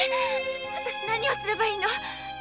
私何をすればいいの？